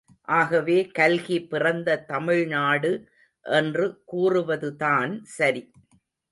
ஆகவே கல்கி பிறந்த தமிழ் நாடு என்று கூறுவதுதான் சரி.